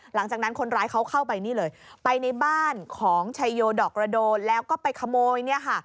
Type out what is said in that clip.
หลังจากนั้นคนร้ายเขาเข้าไปนี่เลยไปในบ้านของชัยโยดอกกระโดนแล้วก็ไปขโมยเนี่ยค่ะ